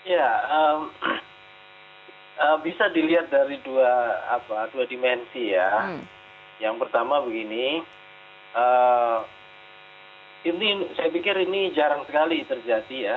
ya bisa dilihat dari dua dimensi ya yang pertama begini saya pikir ini jarang sekali terjadi ya